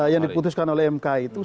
yang diputuskan oleh mk itu